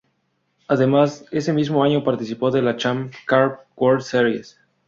Además, ese mismo año participó de la Champ Car World Series.